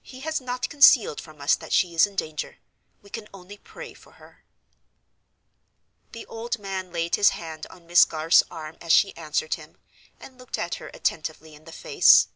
"He has not concealed from us that she is in danger. We can only pray for her." The old man laid his hand on Miss Garth's arm as she answered him, and looked her attentively in the face.